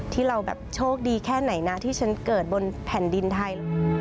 ที่เราแบบโชคดีแค่ไหนนะที่ฉันเกิดบนแผ่นดินไทย